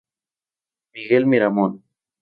Miguel Miramón.